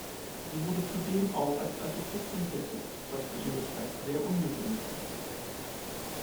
Sie wurde zudem auch als Architektin tätig, was für ihre Zeit sehr ungewöhnlich war.